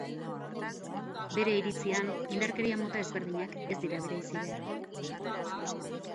Bere iritzian, indarkeria mota ezberdinak ez dira bereizi behar.